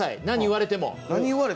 何を言われても。